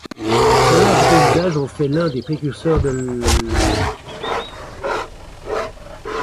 Son art du paysage en fait l'un des précurseurs de l'.